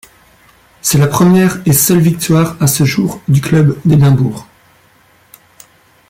C’est la première et seule victoire à ce jour du club d’Édimbourg.